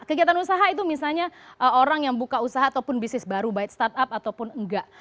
kegiatan usaha itu misalnya orang yang buka usaha ataupun bisnis baru baik startup ataupun enggak